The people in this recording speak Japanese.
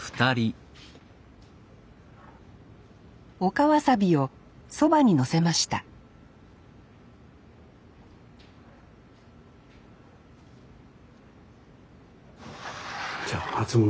陸わさびをそばに載せましたじゃあ初物。